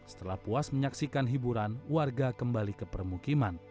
setelah puas menyaksikan hiburan warga kembali ke permukiman